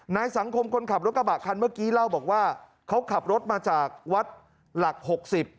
ในสังคมคนขับรถกระบะคันเมื่อกี้เล่าบอกว่าเขาขับรถมาจากวัดหลักหกสิบ